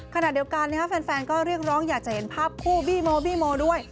ขณะเดียวกันแฟนก็เรียกร้องอยากจะเห็นภาพคู่บี้โมบี้โมด้วย